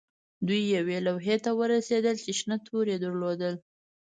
دوی یوې لوحې ته ورسیدل چې شنه توري یې درلودل